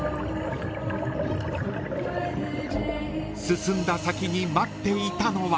［進んだ先に待っていたのは］